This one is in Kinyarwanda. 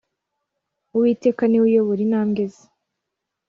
Uwiteka ni we uyobora intambwe ze